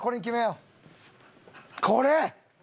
これ！